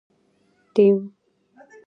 ټیم